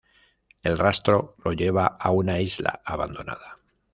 El rastro lo lleva a una isla abandonada.